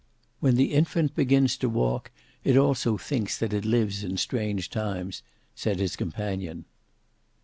"When the infant begins to walk, it also thinks that it lives in strange times," said his companion.